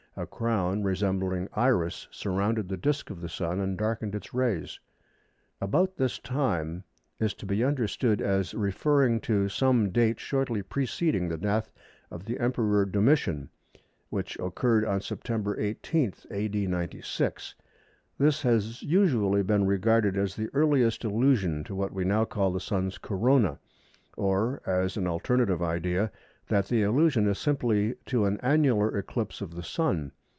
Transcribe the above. A crown resembling Iris surrounded the disc of the Sun and darkened its rays." "About this time" is to be understood as referring to some date shortly preceding the death of the Emperor Domitian which occurred on September 18, A.D. 96. This has usually been regarded as the earliest allusion to what we now call the Sun's "Corona"; or, as an alternative idea, that the allusion is simply to an annular eclipse of the Sun.